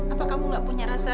apa kamu gak punya rasa